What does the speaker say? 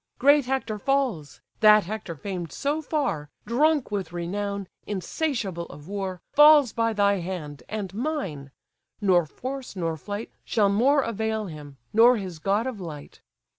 Great Hector falls; that Hector famed so far, Drunk with renown, insatiable of war, Falls by thy hand, and mine! nor force, nor flight, Shall more avail him, nor his god of light.